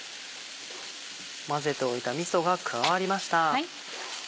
混ぜておいたみそが加わりました。